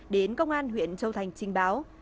đến công an huyện châu thành trình báo